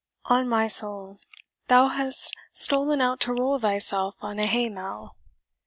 On my soul, thou hast stolen out to roll thyself on a hay mow!